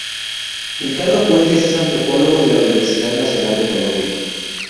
Ricardo Puentes es antropólogo de la Universidad Nacional de Colombia.